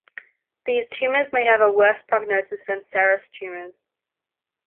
These tumors may have a worse prognosis than serous tumors.